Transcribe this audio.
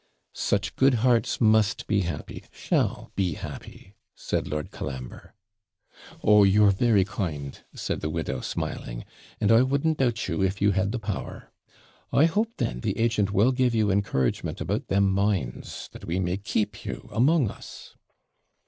'Such good hearts must be happy shall be happy!' said Lord Colambre. 'Oh, you're very kind,' said the widow, smiling; 'and I wouldn't doubt you, if you had the power. I hope, then, the agent will give you encouragement about them mines, that we may keep you among us.'